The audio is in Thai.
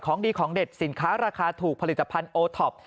ดีของเด็ดสินค้าราคาถูกผลิตภัณฑ์โอท็อป